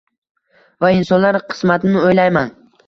Va insonlar qismatini o’ylayman…